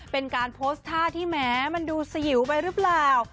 เป็นการโพสต์ท่าที่แม้มันดูสยิวไปหรือเปล่า